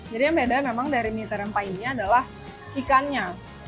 jadi yang beda memang dari mita rempa ini adalah ikannya